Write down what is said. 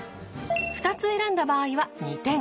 ２つ選んだ場合は２点。